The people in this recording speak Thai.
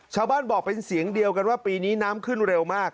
ชาวบ้านบอกเป็นเสียงเดียวกันว่าปีนี้น้ำขึ้นเร็วมาก